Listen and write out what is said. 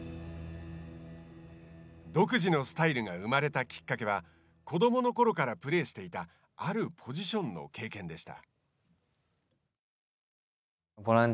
独自のスタイルが生まれたきっかけは子どものころからプレーしていたあるポジションの経験でした。